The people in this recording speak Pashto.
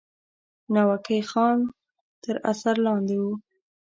ناوګی خان تر اثر لاندې وو.